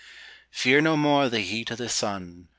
FEAR NO MORE THE HEAT O' THE SUN.